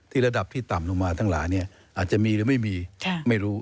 ระดับที่ต่ำลงมาทั้งหลายอาจจะมีหรือไม่มีไม่รู้